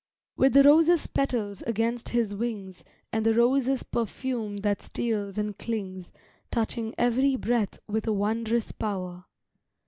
With the rose's petals against his wings, And the rose's perfume that steals and clings Touching every breath with a wondrous power.